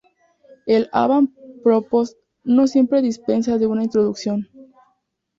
El "avant-propos" no siempre dispensa de una introducción.